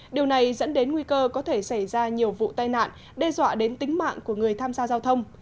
điều này dẫn đến nguy cơ có thể xảy ra nhiều vụ tai nạn đe dọa đến tính mạng của người tham gia giao thông